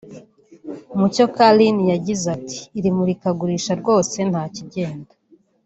Mucyo Carine yagize ati “Iri murikagurisha rwose nta kigenda